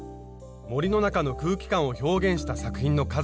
森の中の空気感を表現した作品の数々。